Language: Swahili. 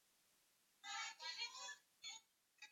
Serikali ya Rwanda imedai kwamba watu hao wawili walio wasilishwa